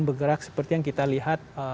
bergerak seperti yang kita lihat